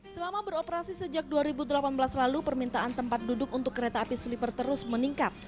selama beroperasi sejak dua ribu delapan belas lalu permintaan tempat duduk untuk kereta api sleeper terus meningkat